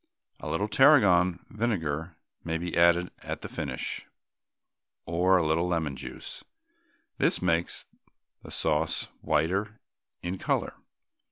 A little tarragon vinegar may be added at the finish, or a little lemon juice. This makes the sauce whiter in colour.